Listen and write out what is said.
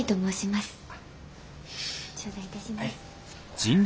頂戴いたします。